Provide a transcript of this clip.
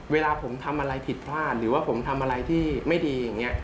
เวลาผมทำอะไรผิดพลาดหรือว่าผมทำอะไรที่ไม่ดีอย่างนี้